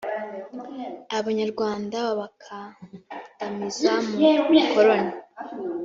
abanyarwanda babakandamiza mu bukoloni.